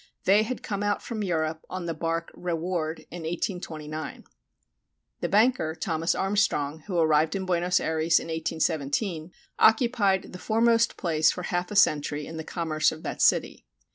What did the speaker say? They had come out from Europe in the barque Reward in 1829. The banker, Thomas Armstrong, who arrived in Buenos Ayres in 1817, occupied the foremost place for half a century in the commerce of that city.